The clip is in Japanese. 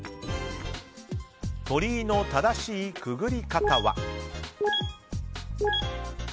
鳥居の正しいくぐり方は。